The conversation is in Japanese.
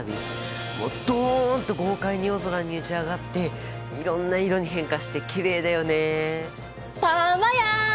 もうドンと豪快に夜空に打ち上がっていろんな色に変化してきれいだよね。